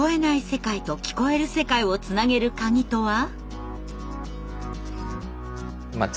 世界と聞こえる世界をつなげるカギとは？